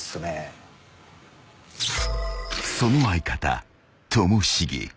［その相方ともしげ］